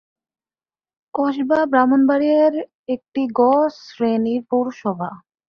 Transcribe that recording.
কসবা ব্রাহ্মণবাড়িয়ার একটি গ শ্রেণির পৌরসভা।